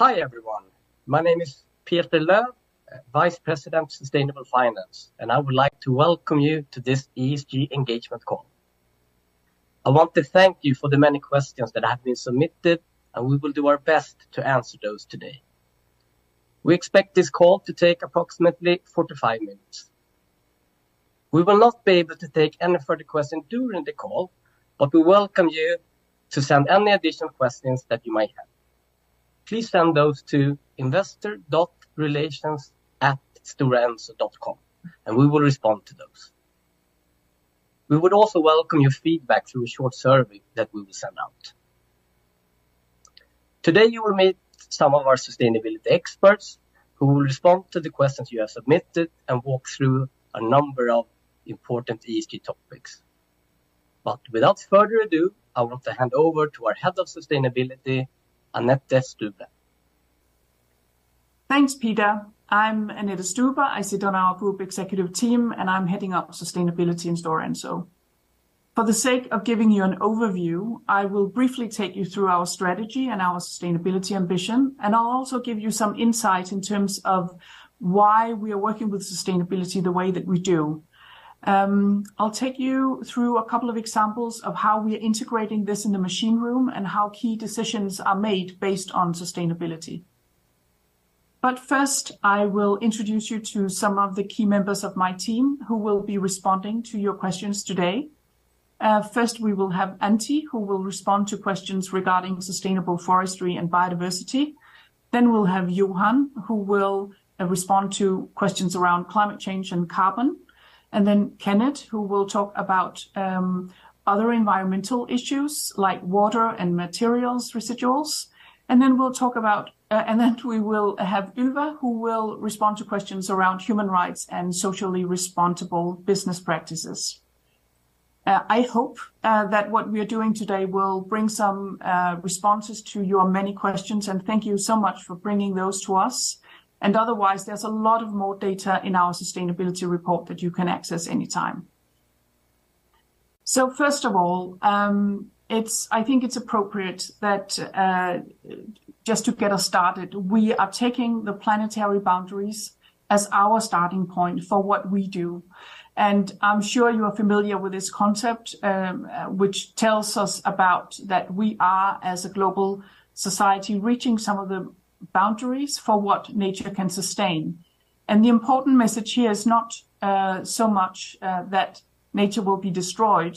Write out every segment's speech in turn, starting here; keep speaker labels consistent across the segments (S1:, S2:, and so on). S1: Hi, everyone. My name is Peter Löfving, Vice President of Sustainable Finance. I would like to welcome you to this ESG engagement call. I want to thank you for the many questions that have been submitted. We will do our best to answer those today. We expect this call to take approximately 45 minutes. We will not be able to take any further question during the call. We welcome you to send any additional questions that you might have. Please send those to investor.relations@storaenso.com. We will respond to those. We would also welcome your feedback through a short survey that we will send out. Today, you will meet some of our sustainability experts who will respond to the questions you have submitted and walk through a number of important ESG topics. Without further ado, I want to hand over to our Head of Sustainability, Annette Stube.
S2: Thanks, Peter. I'm Annette Stube. I sit on our group executive team, I'm heading up sustainability in Stora Enso. For the sake of giving you an overview, I will briefly take you through our strategy and our sustainability ambition, I'll also give you some insight in terms of why we are working with sustainability the way that we do. I'll take you through a couple of examples of how we are integrating this in the machine room and how key decisions are made based on sustainability. First, I will introduce you to some of the key members of my team who will be responding to your questions today. First, we will have Antti, who will respond to questions regarding sustainable forestry and biodiversity. We'll have Johan, who will respond to questions around climate change and carbon. Kenneth, who will talk about other environmental issues like water and materials residuals. Then we will have Uwe, who will respond to questions around human rights and socially responsible business practices. I hope that what we are doing today will bring some responses to your many questions, and thank you so much for bringing those to us. Otherwise, there's a lot of more data in our sustainability report that you can access anytime. First of all, I think it's appropriate that just to get us started, we are taking the planetary boundaries as our starting point for what we do. I'm sure you are familiar with this concept, which tells us about that we are, as a global society, reaching some of the boundaries for what nature can sustain. The important message here is not so much that nature will be destroyed.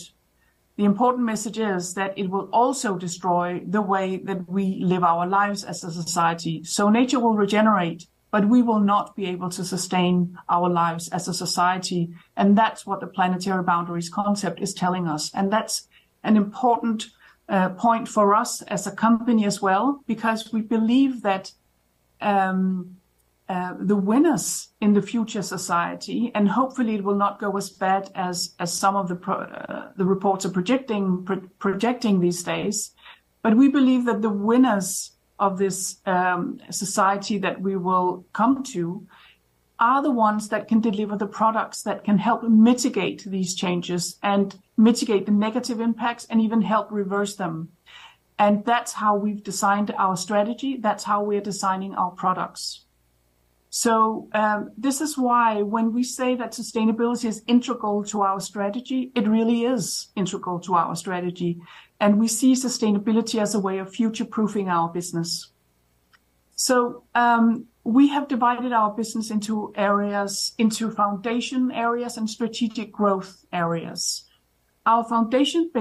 S2: The important message is that it will also destroy the way that we live our lives as a society. Nature will regenerate, but we will not be able to sustain our lives as a society, and that's what the planetary boundaries concept is telling us. That's an important point for us as a company as well because we believe that the winners in the future society, and hopefully it will not go as bad as some of the reports are projecting these days. We believe that the winners of this society that we will come to are the ones that can deliver the products that can help mitigate these changes and mitigate the negative impacts and even help reverse them. That's how we've designed our strategy, that's how we are designing our products. This is why when we say that sustainability is integral to our strategy, it really is integral to our strategy, and we see sustainability as a way of future-proofing our business. We have divided our business into areas, into foundation areas and strategic growth areas. Our foundation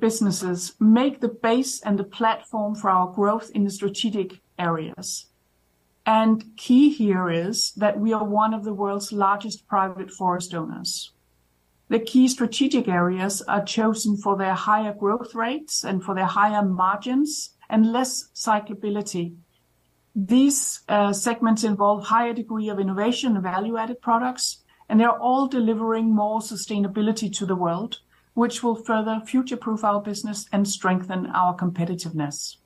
S2: businesses make the base and the platform for our growth in the strategic areas. Key here is that we are one of the world's largest private forest owners. The key strategic areas are chosen for their higher growth rates and for their higher margins and less cyclability. These segments involve higher degree of innovation and value-added products, and they are all delivering more sustainability to the world, which will further future-proof our business and strengthen our competitiveness.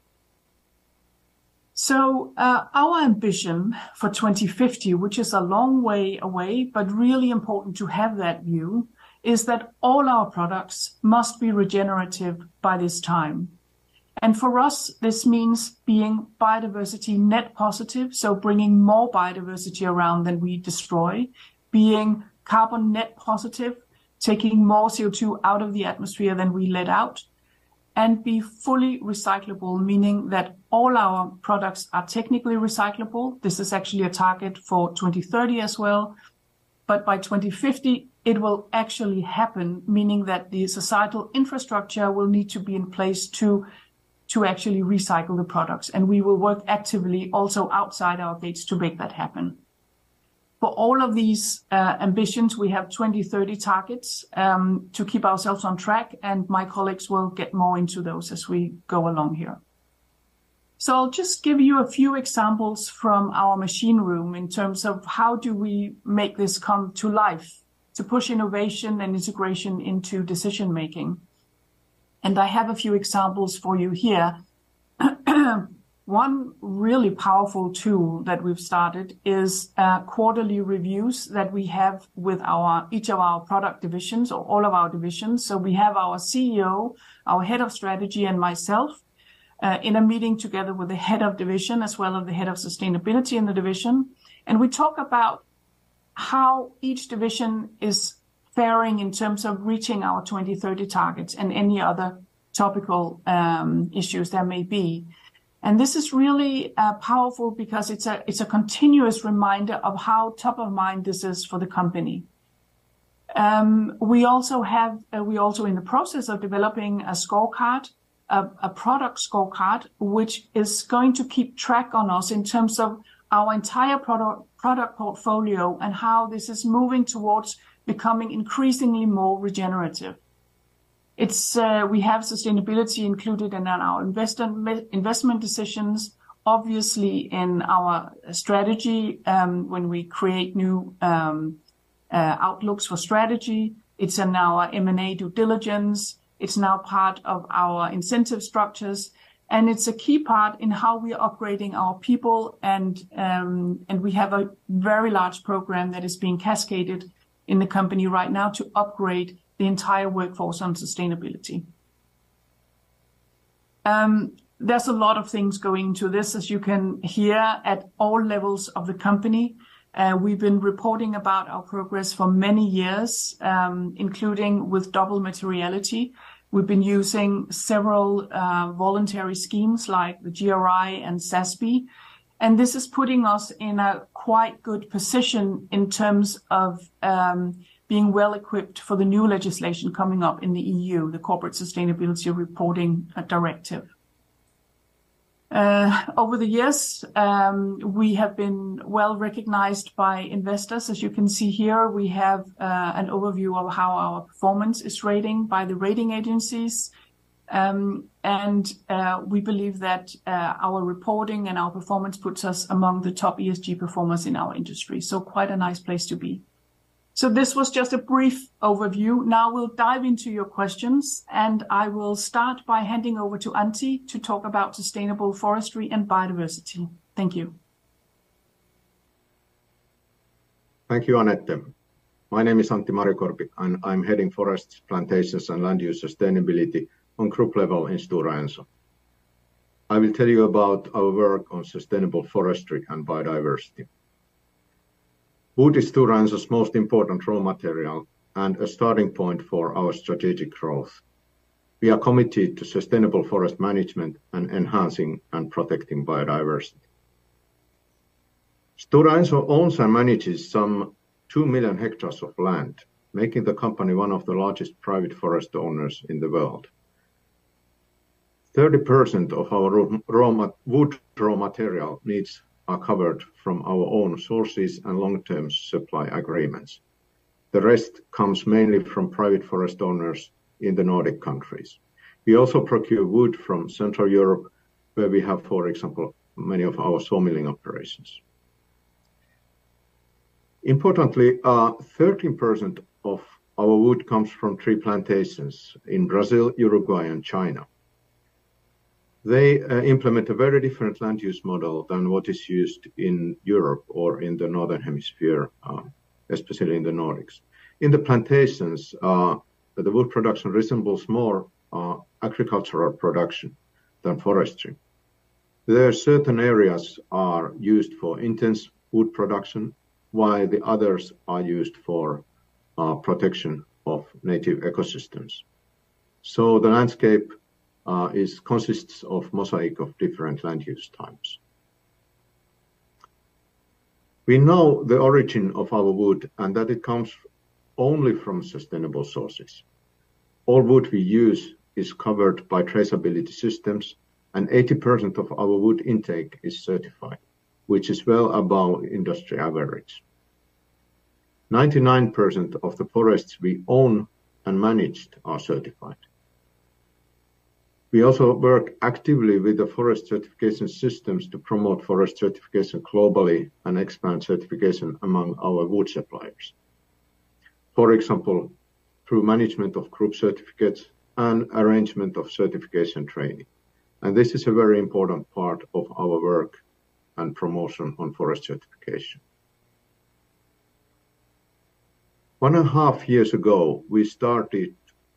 S2: Our ambition for 2050, which is a long way away but really important to have that view, is that all our products must be regenerative by this time. For us, this means being biodiversity net positive, so bringing more biodiversity around than we destroy. Being carbon net positive, taking more CO2 out of the atmosphere than we let out. Be fully recyclable, meaning that all our products are technically recyclable. This is actually a target for 2030 as well. By 2050, it will actually happen, meaning that the societal infrastructure will need to be in place to actually recycle the products, and we will work actively also outside our gates to make that happen. For all of these ambitions, we have 2030 targets to keep ourselves on track, and my colleagues will get more into those as we go along here. I'll just give you a few examples from our machine room in terms of how do we make this come to life, to push innovation and integration into decision-making. I have a few examples for you here. One really powerful tool that we've started is quarterly reviews that we have with each of our product divisions or all of our divisions. We have our CEO, our Head of Strategy, and myself in a meeting together with the Head of Division, as well as the Head of Sustainability in the division. We talk about how each division is faring in terms of reaching our 2030 targets and any other topical issues there may be. This is really powerful because it's a continuous reminder of how top of mind this is for the company. We also in the process of developing a scorecard, a product scorecard, which is going to keep track on us in terms of our entire product portfolio and how this is moving towards becoming increasingly more regenerative. We have sustainability included in our investment decisions, obviously in our strategy, when we create new outlooks for strategy. It's in our M&A due diligence, it's now part of our incentive structures, and it's a key part in how we are upgrading our people. We have a very large program that is being cascaded in the company right now to upgrade the entire workforce on sustainability. There's a lot of things going to this, as you can hear, at all levels of the company. We've been reporting about our progress for many years, including with double materiality. We've been using several voluntary schemes like the GRI and SASB, this is putting us in a quite good position in terms of being well-equipped for the new legislation coming up in the EU, the Corporate Sustainability Reporting Directive. Over the years, we have been well-recognized by investors. As you can see here, we have an overview of how our performance is rating by the rating agencies. We believe that our reporting and our performance puts us among the top ESG performers in our industry. Quite a nice place to be. This was just a brief overview. Now we'll dive into your questions. I will start by handing over to Antti to talk about sustainable forestry and biodiversity. Thank you.
S3: Thank you, Anette. My name is Antti Marjokorpi, I'm heading Forest Plantations and Land Use Sustainability on group level in Stora Enso. I will tell you about our work on sustainable forestry and biodiversity. Wood is Stora Enso's most important raw material and a starting point for our strategic growth. We are committed to sustainable forest management and enhancing and protecting biodiversity. Stora Enso owns and manages some 2 million hectares of land, making the company one of the largest private forest owners in the world. 30% of our wood raw material needs are covered from our own sources and long-term supply agreements. The rest comes mainly from private forest owners in the Nordic countries. We also procure wood from Central Europe, where we have, for example, many of our sawmilling operations. Importantly, 13% of our wood comes from tree plantations in Brazil, Uruguay, and China. They implement a very different land use model than what is used in Europe or in the Northern Hemisphere, especially in the Nordics. In the plantations, the wood production resembles more agricultural production than forestry. There are certain areas are used for intense wood production, while the others are used for protection of native ecosystems. The landscape is consists of mosaic of different land use types. We know the origin of our wood and that it comes only from sustainable sources. All wood we use is covered by traceability systems, 80% of our wood intake is certified, which is well above industry average. 99% of the forests we own and managed are certified. We also work actively with the forest certification systems to promote forest certification globally and expand certification among our wood suppliers, for example, through management of group certificates and arrangement of certification training. This is a very important part of our work and promotion on forest certification. One and a half years ago, we started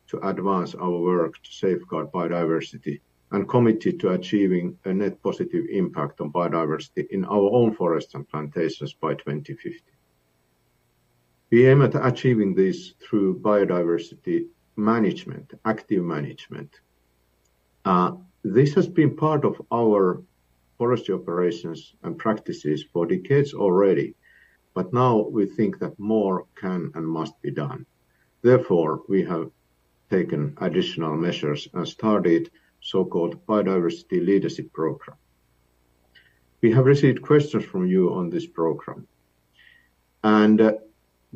S3: to advance our work to safeguard biodiversity and committed to achieving a net positive impact on biodiversity in our own forests and plantations by 2050. We aim at achieving this through biodiversity management, active management. This has been part of our forestry operations and practices for decades already, but now we think that more can and must be done. Therefore, we have taken additional measures and started so-called Biodiversity Leadership Programme. We have received questions from you on this program.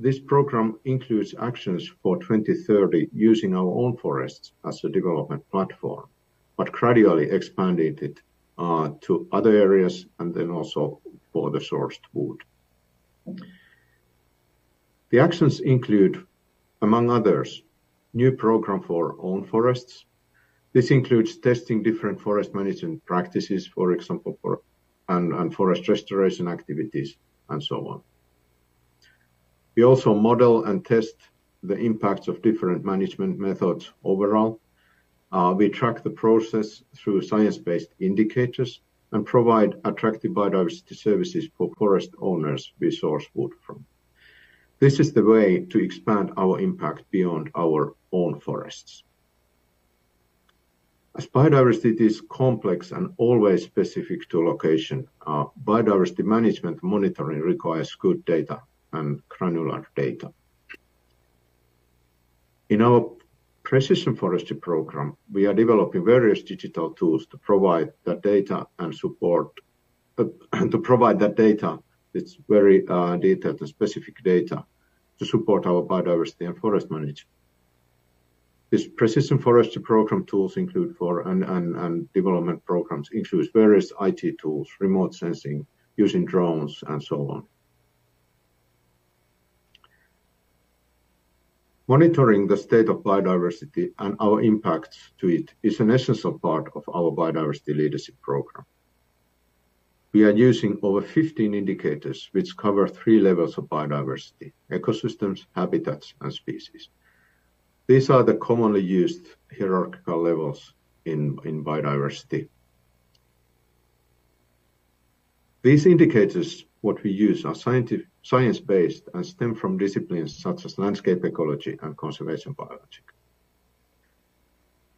S3: This program includes actions for 2030 using our own forests as a development platform, but gradually expanding it to other areas and then also for the sourced wood. The actions include, among others, new program for own forests. This includes testing different forest management practices, for example, for, and forest restoration activities, and so on. We also model and test the impacts of different management methods overall. We track the process through science-based indicators and provide attractive biodiversity services for forest owners we source wood from. This is the way to expand our impact beyond our own forests. As biodiversity is complex and always specific to location, our biodiversity management monitoring requires good data and granular data. In our Precision Forestry program, we are developing various digital tools to provide that data and support to provide that data. It's very detailed and specific data to support our biodiversity and forest management. These Precision Forestry program tools include development programs includes various IT tools, remote sensing using drones, and so on. Monitoring the state of biodiversity and our impacts to it is an essential part of our Biodiversity Leadership Programme. We are using over 15 indicators, which cover three levels of biodiversity: ecosystems, habitats, and species. These are the commonly used hierarchical levels in biodiversity. These indicators, what we use are science-based and stem from disciplines such as landscape ecology and conservation biology.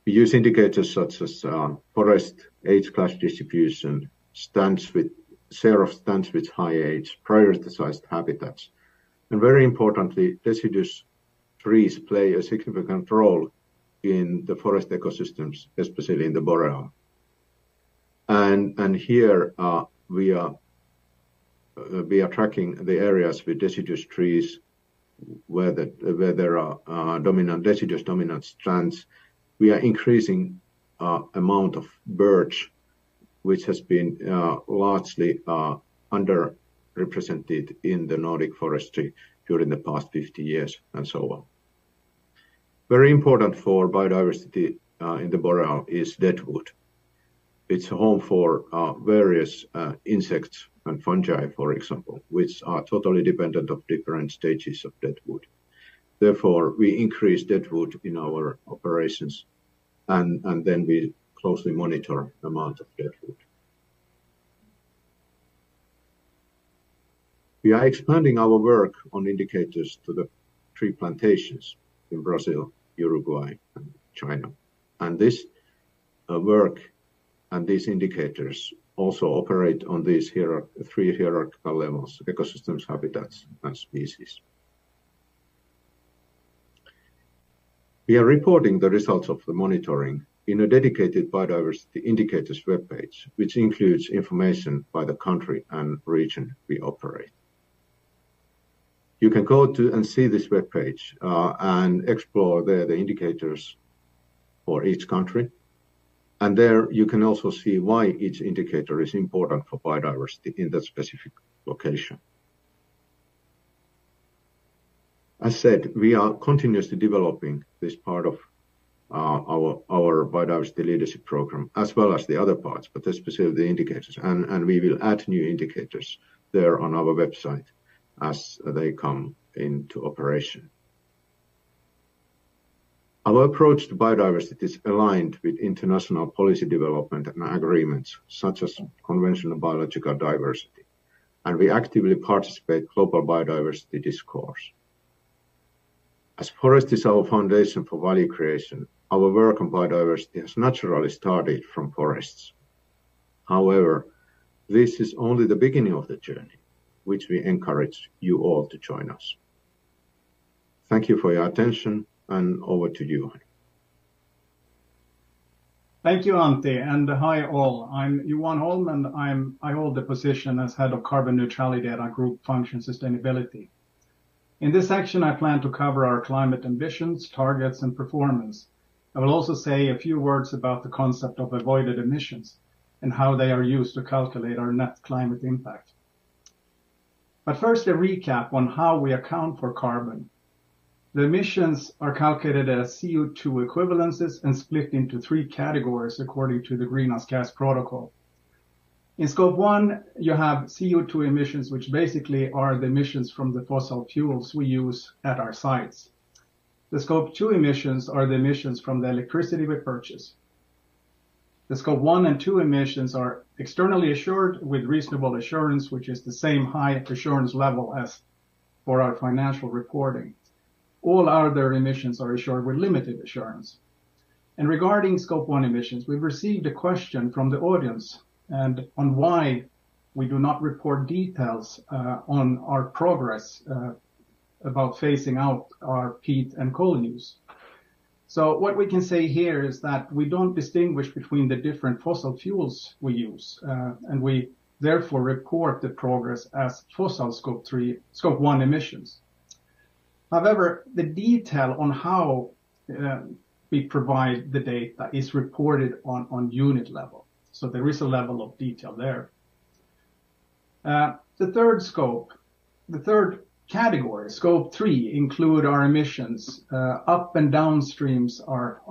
S3: We use indicators such as forest age class distribution, stands with, share of stands with high age, prioritized habitats, and very importantly, deciduous trees play a significant role in the forest ecosystems, especially in the boreal. Here, we are tracking the areas with deciduous trees where there are dominant, deciduous dominant stands. We are increasing amount of birch, which has been largely underrepresented in the Nordic forestry during the past 50 years, and so on. Very important for biodiversity in the boreal is dead wood. It's home for various insects and fungi, for example, which are totally dependent of different stages of dead wood. Therefore, we increase dead wood in our operations. Then we closely monitor amount of dead wood. We are expanding our work on indicators to the tree plantations in Brazil, Uruguay, and China. This work and these indicators also operate on these three hierarchical levels: ecosystems, habitats, and species. We are reporting the results of the monitoring in a dedicated biodiversity indicators webpage, which includes information by the country and region we operate. You can go to and see this webpage and explore the indicators for each country. There you can also see why each indicator is important for biodiversity in that specific location. As said, we are continuously developing this part of our Biodiversity Leadership Programme, as well as the other parts, but specifically the indicators. We will add new indicators there on our website as they come into operation. Our approach to biodiversity is aligned with international policy development and agreements such as Convention on Biological Diversity. We actively participate global biodiversity discourse. As forest is our foundation for value creation, our work on biodiversity has naturally started from forests. However, this is only the beginning of the journey, which we encourage you all to join us. Thank you for your attention. Over to you, Johan.
S4: Thank you, Antti. Hi, all. I'm Johan Holm. I hold the position as Head of Carbon Neutrality at our group function Sustainability. In this section, I plan to cover our climate ambitions, targets, and performance. I will also say a few words about the concept of avoided emissions and how they are used to calculate our net climate impact. First, a recap on how we account for carbon. The emissions are calculated as CO2 equivalents and split into three categories according to the Greenhouse Gas Protocol. In Scope 1, you have CO2 emissions, which basically are the emissions from the fossil fuels we use at our sites. The Scope 2 emissions are the emissions from the electricity we purchase. The Scope 1 and 2 emissions are externally assured with reasonable assurance, which is the same high assurance level as for our financial reporting. All other emissions are assured with limited assurance. Regarding Scope 1 emissions, we've received a question from the audience and on why we do not report details on our progress about phasing out our peat and coal use. What we can say here is that we don't distinguish between the different fossil fuels we use, and we therefore report the progress as fossil Scope 3, Scope 1 emissions. However, the detail on how we provide the data is reported on unit level, so there is a level of detail there. The third scope, the third category, Scope 3, include our emissions up and downstreams our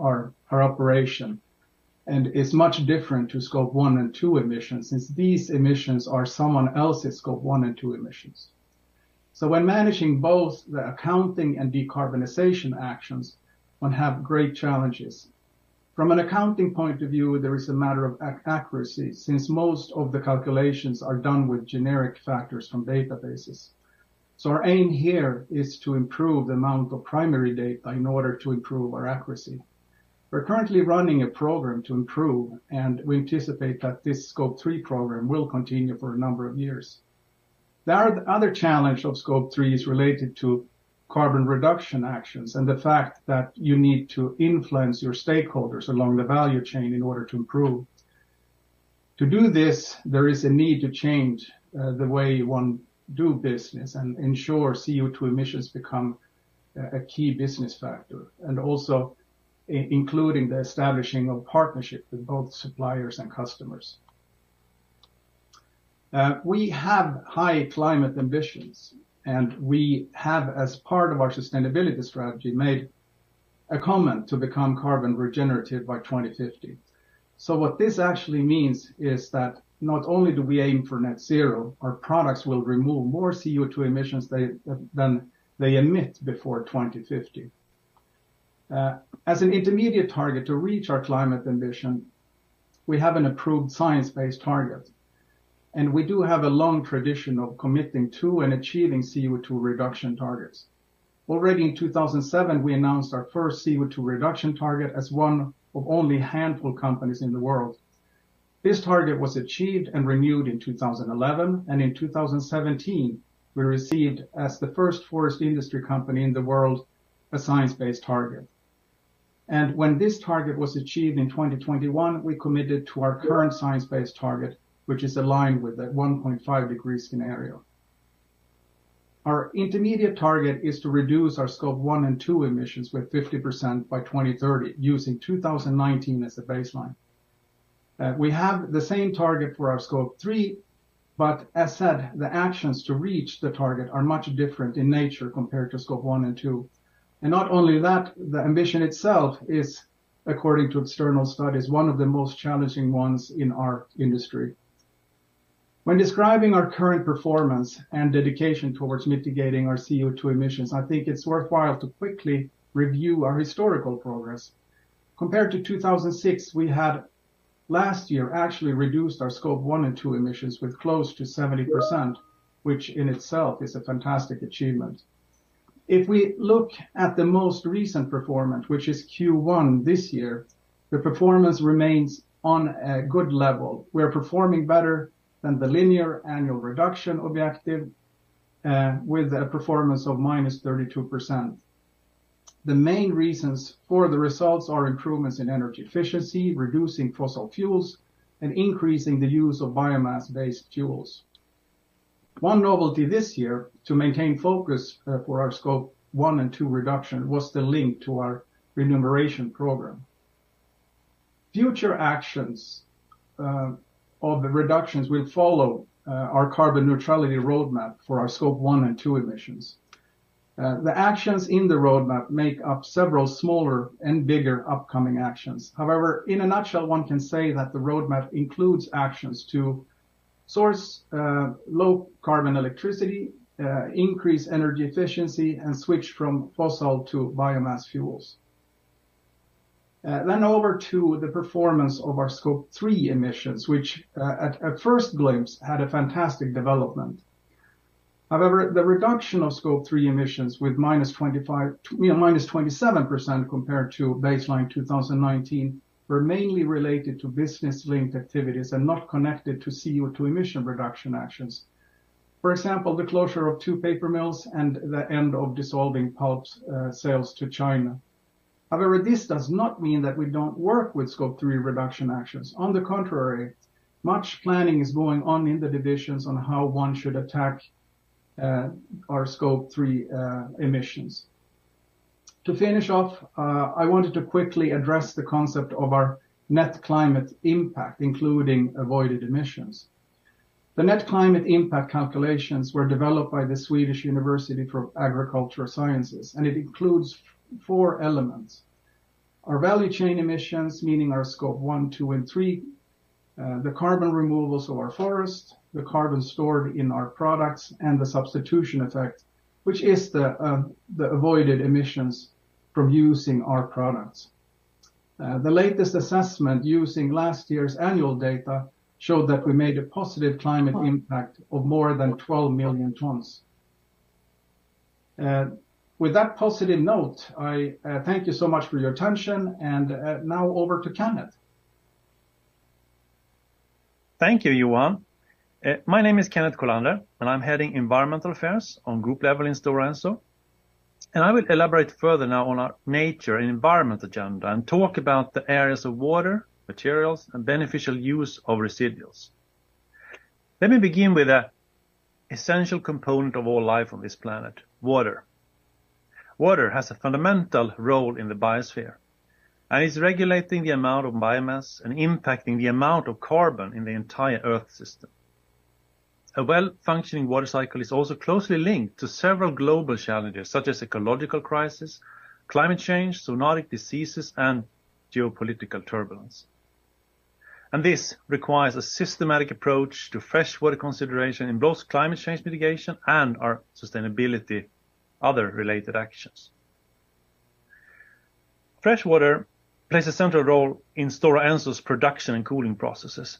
S4: operation, and it's much different to Scope 1 and 2 emissions since these emissions are someone else's Scope 1 and 2 emissions. When managing both the accounting and decarbonization actions, one have great challenges. From an accounting point of view, there is a matter of accuracy since most of the calculations are done with generic factors from databases. Our aim here is to improve the amount of primary data in order to improve our accuracy. We're currently running a program to improve, we anticipate that this Scope 3 program will continue for a number of years. The other challenge of Scope 3 is related to carbon reduction actions and the fact that you need to influence your stakeholders along the value chain in order to improve. To do this, there is a need to change the way one do business and ensure CO2 emissions become a key business factor, and also including the establishing of partnership with both suppliers and customers. We have high climate ambitions. We have, as part of our sustainability strategy, made a comment to become carbon regenerative by 2050. What this actually means is that not only do we aim for net zero, our products will remove more CO2 emissions than they emit before 2050. As an intermediate target to reach our climate ambition, we have an approved science-based target. We do have a long tradition of committing to and achieving CO2 reduction targets. Already in 2007, we announced our first CO2 reduction target as one of only handful companies in the world. This target was achieved and renewed in 2011. In 2017, we received, as the first forest industry company in the world, a science-based target. When this target was achieved in 2021, we committed to our current science-based target, which is aligned with the 1.5-degree scenario. Our intermediate target is to reduce our Scope 1 and 2 emissions with 50% by 2030 using 2019 as the baseline. We have the same target for our Scope 3, but as said, the actions to reach the target are much different in nature compared to Scope 1 and 2. Not only that, the ambition itself is, according to external studies, one of the most challenging ones in our industry. When describing our current performance and dedication towards mitigating our CO2 emissions, I think it's worthwhile to quickly review our historical progress. Compared to 2006, we had last year actually reduced our Scope 1 and 2 emissions with close to 70%, which in itself is a fantastic achievement. If we look at the most recent performance, which is Q1 this year, the performance remains on a good level. We're performing better than the linear annual reduction objective, with a performance of minus 32%. The main reasons for the results are improvements in energy efficiency, reducing fossil fuels, and increasing the use of biomass-based fuels. One novelty this year to maintain focus for our Scope 1 and 2 reduction was the link to our remuneration program. Future actions of the reductions will follow our carbon neutrality roadmap for our Scope 1 and 2 emissions. The actions in the roadmap make up several smaller and bigger upcoming actions. In a nutshell, one can say that the roadmap includes actions to source low carbon electricity, increase energy efficiency, and switch from fossil to biomass fuels. Over to the performance of our Scope 3 emissions, which, at first glimpse had a fantastic development. However, the reduction of Scope 3 emissions with -25, you know, -27% compared to baseline 2019 were mainly related to business-linked activities and not connected to CO2 emission reduction actions. For example, the closure of two paper mills and the end of dissolving pulp sales to China. However, this does not mean that we don't work with Scope 3 reduction actions. On the contrary, much planning is going on in the divisions on how one should attack our Scope 3 emissions. To finish off, I wanted to quickly address the concept of our net climate impact, including avoided emissions. The net climate impact calculations were developed by the Swedish University of Agricultural Sciences, it includes four elements: our value chain emissions, meaning our Scope 1, 2, and 3, the carbon removals of our forest, the carbon stored in our products, and the substitution effect, which is the avoided emissions from using our products. The latest assessment using last year's annual data showed that we made a positive climate impact of more than 12 million tons. With that positive note, I thank you so much for your attention, now over to Kenneth.
S5: Thank you, Johan. My name is Kenneth Kolander, and I'm heading Environmental Affairs on group level in Stora Enso. I will elaborate further now on our nature and environment agenda and talk about the areas of water, materials, and beneficial use of residuals. Let me begin with a essential component of all life on this planet, water. Water has a fundamental role in the biosphere. It's regulating the amount of biomass and impacting the amount of carbon in the entire Earth system. A well-functioning water cycle is also closely linked to several global challenges, such as ecological crisis, climate change, zoonotic diseases, and geopolitical turbulence. This requires a systematic approach to freshwater consideration in both climate change mitigation and our sustainability other related actions. Freshwater plays a central role in Stora Enso's production and cooling processes.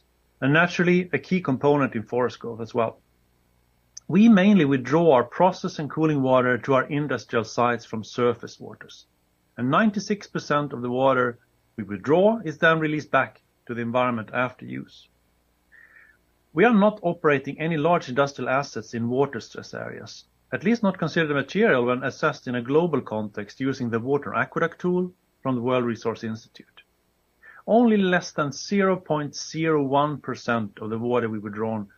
S5: Naturally a key component in forest growth as well. We mainly withdraw our process and cooling water to our industrial sites from surface waters, and 96% of the water we withdraw is then released back to the environment after use. We are not operating any large industrial assets in water stress areas, at least not considered material when assessed in a global context using the Aqueduct tool from the World Resources Institute. Only less than 0.01% of the water we withdrawn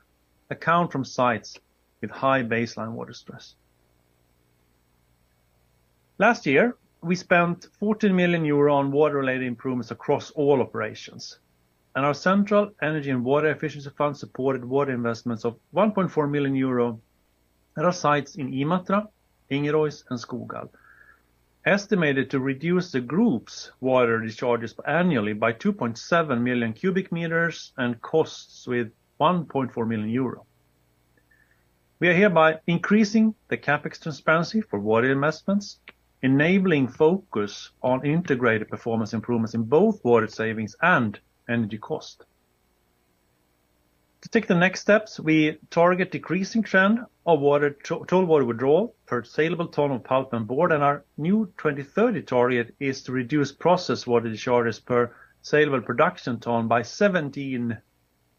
S5: account from sites with high baseline water stress. Last year, we spent 14 million euro on water-related improvements across all operations, and our central energy and water efficiency fund supported water investments of 1.4 million euro at our sites in Imatra, Ingeroinen, and Skoghall, estimated to reduce the group's water discharges annually by 2.7 million cubic meters and costs with 1.4 million euro. We are hereby increasing the CapEx transparency for water investments, enabling focus on integrated performance improvements in both water savings and energy cost. To take the next steps, we target decreasing trend of total water withdrawal per saleable ton of pulp and board, our new 2030 target is to reduce process water discharges per saleable production ton by 17%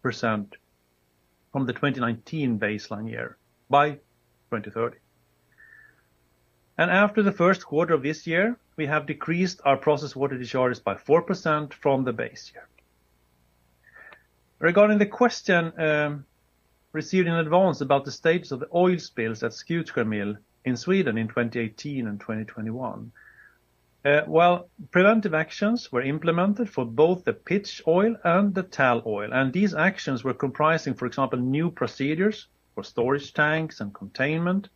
S5: from the 2019 baseline year by 2030. After the first quarter of this year, we have decreased our process water discharges by 4% from the base year. Regarding the question received in advance about the status of the oil spills at Skutskär mill in Sweden in 2018 and 2021. Well, preventive actions were implemented for both the pitch oil and the tall oil, and these actions were comprising, for example, new procedures for storage tanks and containment,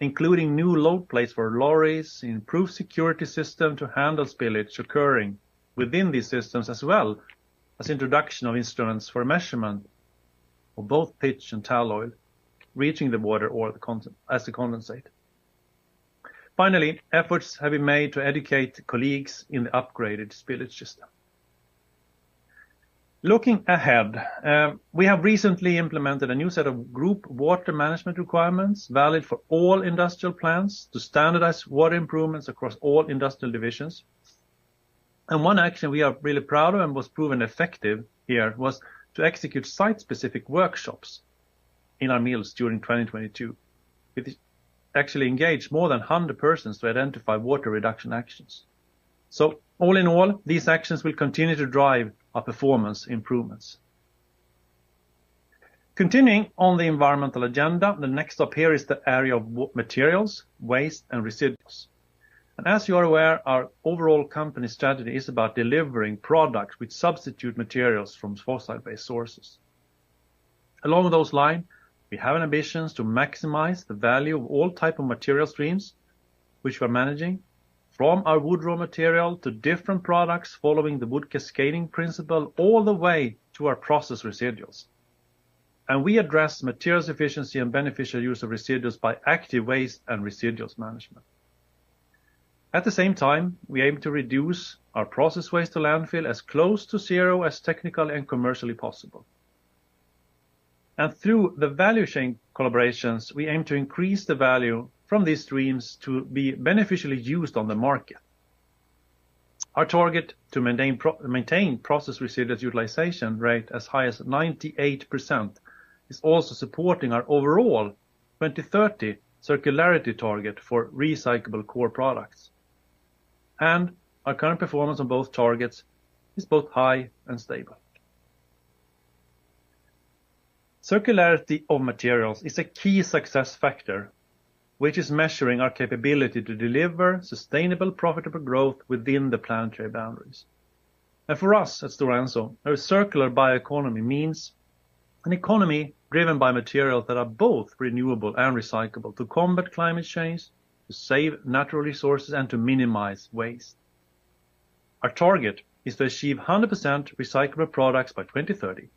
S5: including new load plates for lorries, improved security system to handle spillage occurring within these systems, as well as introduction of instruments for measurement of both pitch and tall oil reaching the water or as the condensate. Finally, efforts have been made to educate colleagues in the upgraded spillage system. Looking ahead, we have recently implemented a new set of group water management requirements valid for all industrial plants to standardize water improvements across all industrial divisions. One action we are really proud of and was proven effective here was to execute site-specific workshops in our mills during 2022. We actually engaged more than 100 persons to identify water reduction actions. All in all, these actions will continue to drive our performance improvements. Continuing on the environmental agenda, the next up here is the area of materials, waste, and residuals. As you are aware, our overall company strategy is about delivering products which substitute materials from fossil-based sources. Along those lines, we have an ambition to maximize the value of all type of material streams which we're managing from our wood raw material to different products following the wood cascading principle all the way to our process residuals. We address materials efficiency and beneficial use of residuals by active waste and residuals management. At the same time, we aim to reduce our process waste to landfill as close to zero as technically and commercially possible. Through the value chain collaborations, we aim to increase the value from these streams to be beneficially used on the market. Our target to maintain process residuals utilization rate as high as 98% is also supporting our overall 2030 circularity target for recyclable core products. Our current performance on both targets is both high and stable. Circularity of materials is a key success factor which is measuring our capability to deliver sustainable profitable growth within the Planetary Boundaries. For us, as Stora Enso, our circular bioeconomy means an economy driven by materials that are both renewable and recyclable to combat climate change, to save natural resources, and to minimize waste. Our target is to achieve 100% recyclable products by 2030,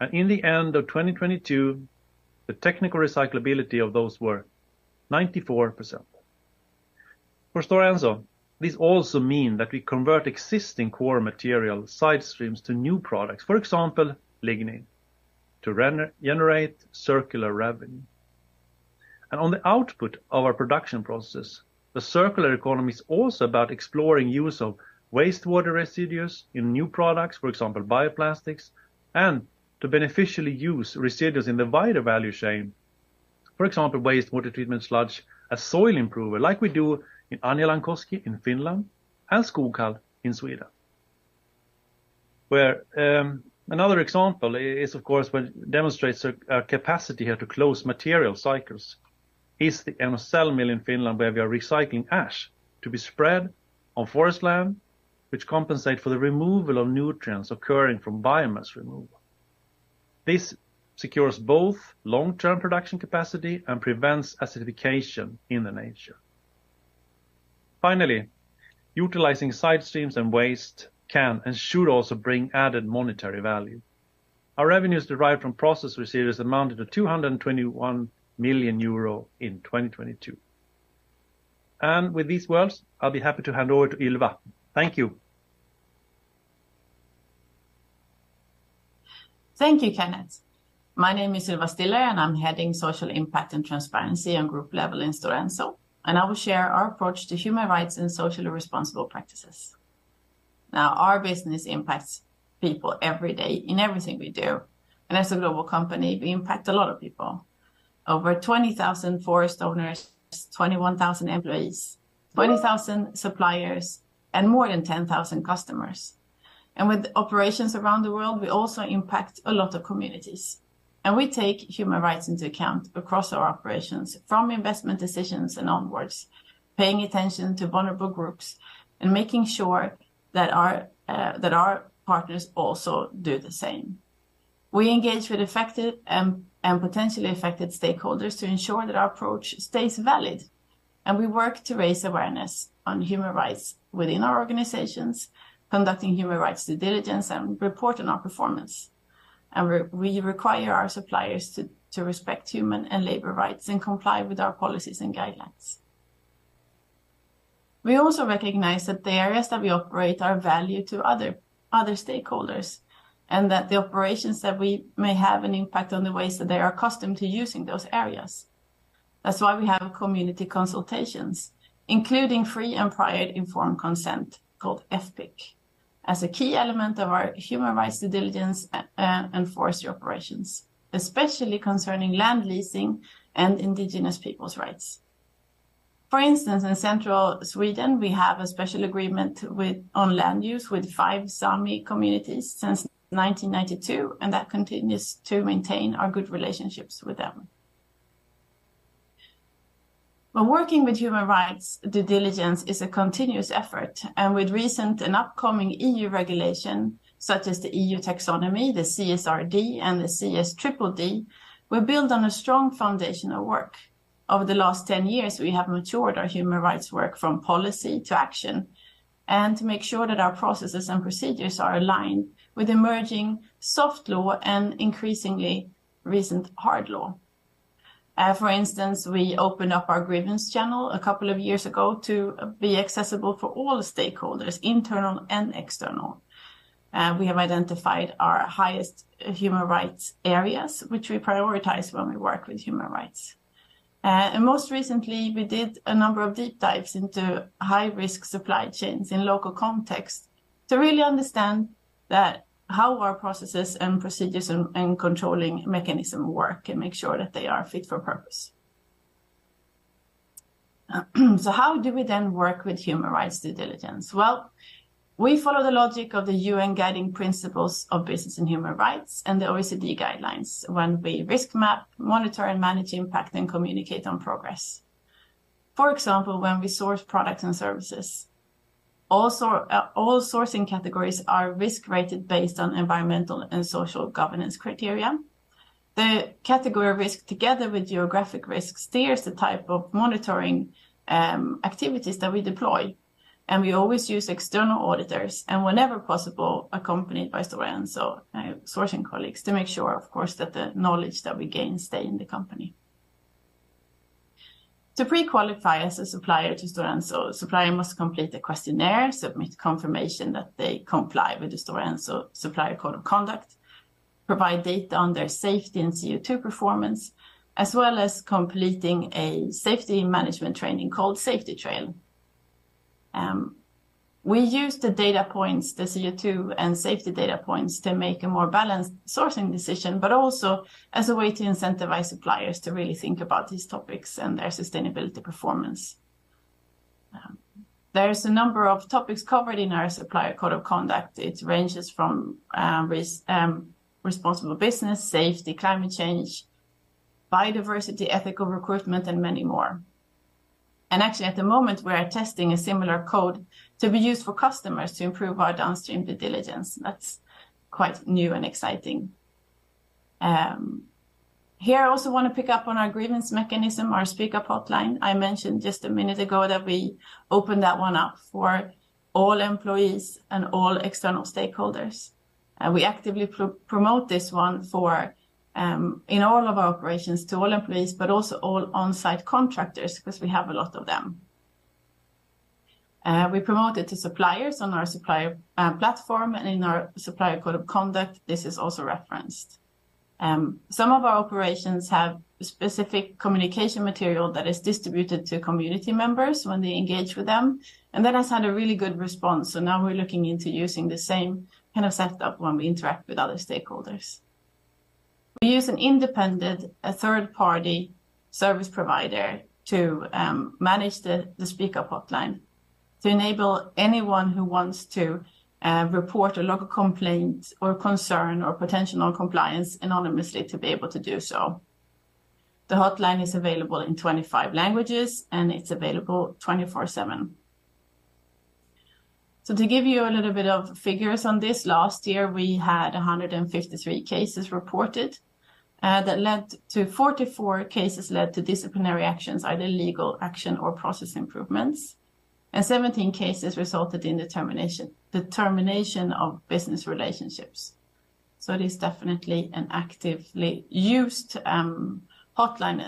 S5: and in the end of 2022, the technical recyclability of those were 94%. For Stora Enso, this also mean that we convert existing core material side streams to new products, for example, lignin, to generate circular revenue. On the output of our production processes, the circular economy is also about exploring use of wastewater residuals in new products, for example, bioplastics, and to beneficially use residuals in the wider value chain, for example, wastewater treatment sludge, a soil improver, like we do in Anjalankoski in Finland and Skoghall in Sweden, where another example is, of course, demonstrates our capacity here to close material cycles is the Enocell in Finland, where we are recycling ash to be spread on forest land, which compensate for the removal of nutrients occurring from biomass removal. This secures both long-term production capacity and prevents acidification in the nature. Finally, utilizing side streams and waste can and should also bring added monetary value. Our revenues derived from process receipts amounted to 221 million euro in 2022. With these words, I'll be happy to hand over to Ylva. Thank you.
S6: Thank you, Kenneth. My name is Ylva Stiller, I'm heading Social Impact and Transparency on group level in Stora Enso, I will share our approach to human rights and socially responsible practices. Our business impacts people every day in everything we do. As a global company, we impact a lot of people. Over 20,000 forest owners, 21,000 employees, 20,000 suppliers, and more than 10,000 customers. With operations around the world, we also impact a lot of communities. We take human rights into account across our operations from investment decisions and onwards, paying attention to vulnerable groups and making sure that our partners also do the same. We engage with affected and potentially affected stakeholders to ensure that our approach stays valid, we work to raise awareness on human rights within our organizations, conducting human rights due diligence and report on our performance. We require our suppliers to respect human and labor rights and comply with our policies and guidelines. We also recognize that the areas that we operate are of value to other stakeholders, and that the operations that we may have an impact on the ways that they are accustomed to using those areas. That's why we have community consultations, including free, prior and informed consent, called FPIC, as a key element of our human rights due diligence and forestry operations, especially concerning land leasing and indigenous people's rights. For instance, in central Sweden, we have a special agreement on land use with five Sámi communities since 1992, and that continues to maintain our good relationships with them. Working with human rights due diligence is a continuous effort, and with recent and upcoming EU regulation, such as the EU Taxonomy, the CSRD, and the CSDDD, we build on a strong foundational work. Over the last 10 years, we have matured our human rights work from policy to action and to make sure that our processes and procedures are aligned with emerging soft law and increasingly recent hard law. For instance, we opened up our grievance channel a couple of years ago to be accessible for all stakeholders, internal and external. We have identified our highest human rights areas, which we prioritize when we work with human rights. Most recently, we did a number of deep dives into high-risk supply chains in local context to really understand how our processes and procedures and controlling mechanism work and make sure that they are fit for purpose. How do we then work with human rights due diligence? Well, we follow the logic of the UN Guiding Principles on Business and Human Rights and the OECD guidelines when we risk map, monitor, and manage impact and communicate on progress. For example, when we source products and services. All sourcing categories are risk-rated based on environmental and social governance criteria. The category risk, together with geographic risk, steers the type of monitoring activities that we deploy, and we always use external auditors and whenever possible, accompanied by Stora Enso sourcing colleagues to make sure, of course, that the knowledge that we gain stay in the company. To pre-qualify as a supplier to Stora Enso, supplier must complete a questionnaire, submit confirmation that they comply with the Stora Enso Supplier Code of Conduct, provide data on their safety and CO2 performance, as well as completing a safety management training called Safety Trail. We use the data points, the CO2 and safety data points to make a more balanced sourcing decision, but also as a way to incentivize suppliers to really think about these topics and their sustainability performance. There is a number of topics covered in our Supplier Code of Conduct. It ranges from responsible business, safety, climate change, biodiversity, ethical recruitment, and many more. Actually, at the moment, we are testing a similar code to be used for customers to improve our downstream due diligence. That's quite new and exciting. Here, I also wanna pick up on our grievance mechanism, our SpeakUp hotline. I mentioned just a minute ago that we opened that one up for all employees and all external stakeholders. We actively promote this one for in all of our operations to all employees, but also all on-site contractors because we have a lot of them. We promote it to suppliers on our supplier platform and in our Supplier Code of Conduct. This is also referenced. Some of our operations have specific communication material that is distributed to community members when they engage with them. That has had a really good response. Now we're looking into using the same kind of setup when we interact with other stakeholders. We use an independent, a third-party service provider to manage the SpeakUp hotline to enable anyone who wants to report a local complaint or concern or potential noncompliance anonymously to be able to do so. The hotline is available in 25 languages, and it's available 24/7. To give you a little bit of figures on this, last year we had 153 cases reported that led to 44 cases led to disciplinary actions, either legal action or process improvements, and 17 cases resulted in determination, the termination of business relationships. It is definitely an actively used hotline,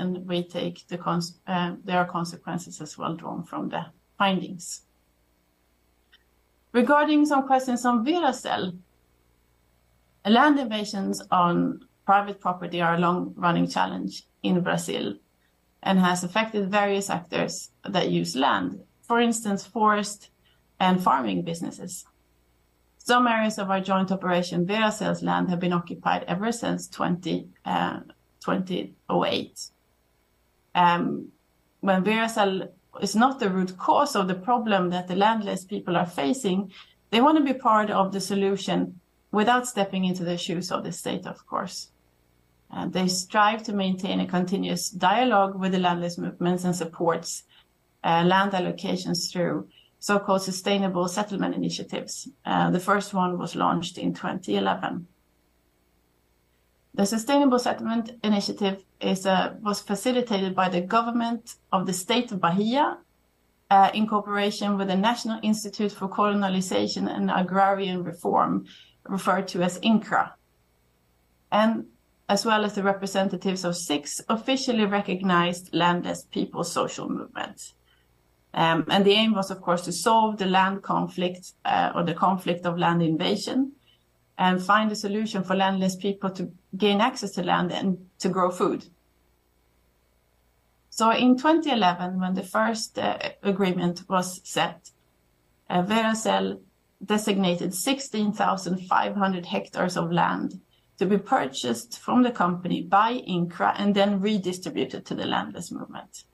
S6: and we take the consequences as well drawn from the findings. Regarding some questions on Veracel, land invasions on private property are a long-running challenge in Brazil and has affected various actors that use land, for instance, forest and farming businesses. Some areas of our joint operation Veracel's land have been occupied ever since 2008. When Veracel is not the root cause of the problem that the landless people are facing, they wanna be part of the solution without stepping into the shoes of the state, of course. They strive to maintain a continuous dialogue with the landless movements and supports land allocations through so-called sustainable settlement initiatives. The first one was launched in 2011. The Sustainable Settlements Initiative was facilitated by the government of the state of Bahia in cooperation with the National Institute for Colonization and Agrarian Reform, referred to as INCRA, as well as the representatives of six officially recognized landless people social movements. The aim was, of course, to solve the land conflict or the conflict of land invasion and find a solution for landless people to gain access to land and to grow food. In 2011, when the first agreement was set, Veracel designated 16,500 hectares of land to be purchased from the company by INCRA and then redistributed to the landless movement.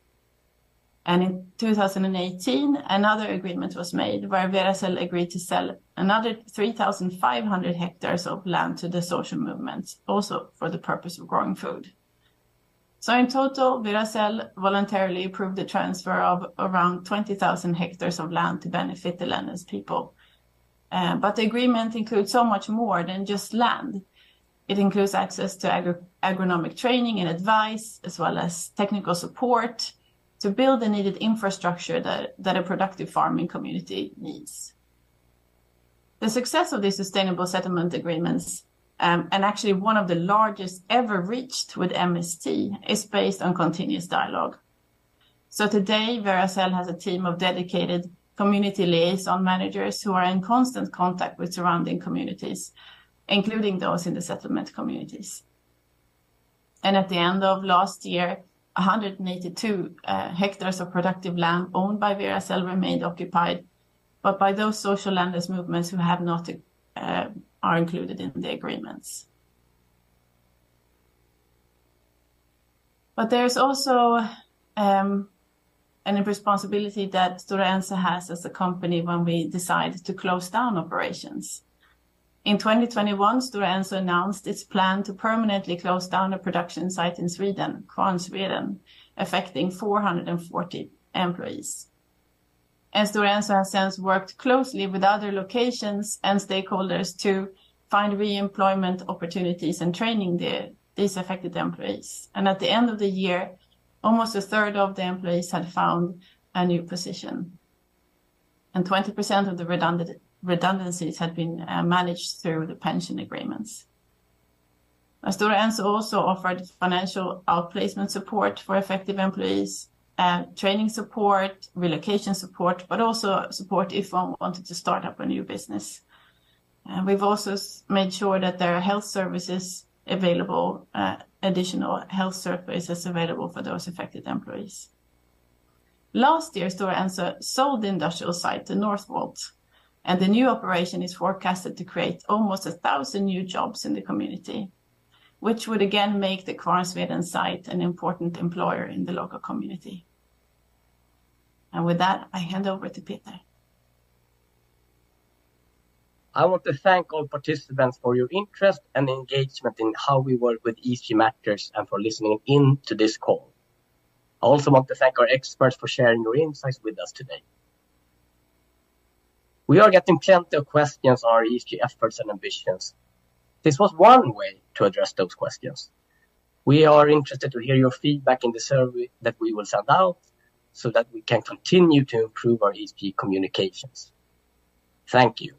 S6: In 2018, another agreement was made where Veracel agreed to sell another 3,500 hectares of land to the social movements, also for the purpose of growing food. In total, Veracel voluntarily approved the transfer of around 20,000 hectares of land to benefit the landless people. But the agreement includes so much more than just land. It includes access to agri-agronomic training and advice, as well as technical support to build the needed infrastructure that a productive farming community needs. The success of the sustainable settlement agreements, and actually one of the largest ever reached with MST, is based on continuous dialogue. Today, Veracel has a team of dedicated community liaison managers who are in constant contact with surrounding communities, including those in the settlement communities. At the end of last year, 182 hectares of productive land owned by Veracel remained occupied, but by those social landless movements who have not are included in the agreements. There's also an responsibility that Stora Enso has as a company when we decide to close down operations. In 2021, Stora Enso announced its plan to permanently close down a production site in Sweden, Kvarnsveden, affecting 440 employees. Stora Enso has since worked closely with other locations and stakeholders to find reemployment opportunities and training these affected employees. At the end of the year, almost a third of the employees had found a new position, and 20% of the redundancies had been managed through the pension agreements. Stora Enso also offered financial outplacement support for affected employees, training support, relocation support, but also support if one wanted to start up a new business. We've also made sure that there are health services available, additional health services available for those affected employees. Last year, Stora Enso sold the industrial site to Northvolt, and the new operation is forecasted to create almost 1,000 new jobs in the community, which would again make the Kvarnsveden site an important employer in the local community. With that, I hand over to Peter.
S1: I want to thank all participants for your interest and engagement in how we work with ESG matters and for listening in to this call. I also want to thank our experts for sharing your insights with us today. We are getting plenty of questions on our ESG efforts and ambitions. This was one way to address those questions. We are interested to hear your feedback in the survey that we will send out so that we can continue to improve our ESG communications. Thank you.